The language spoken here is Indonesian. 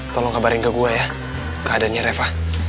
tolong kabarin ke gue ya keadaannya reva